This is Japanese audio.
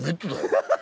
ハハハ！